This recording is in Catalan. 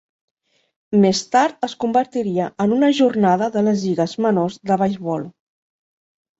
Més tard es convertiria en una jornada de les lligues menors de beisbol.